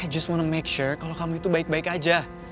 i just wanna make sure kalau kamu itu baik baik aja